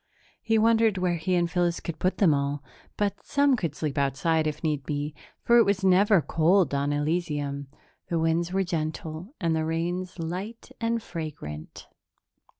He wondered where he and Phyllis could put them all, but some could sleep outside, if need be, for it was never cold on Elysium. The winds were gentle and the rains light and fragrant.